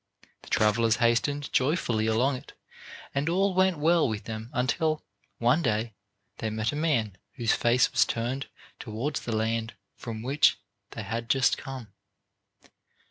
The travelers hastened joyfully along it and all went well with them until, one day, they met a man whose face was turned toward the land from which they had just come.